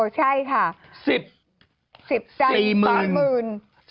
ใช่ค่ะ๑๐ตันเท่าหมื่น